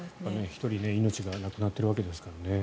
１人の命がなくなっているわけですからね。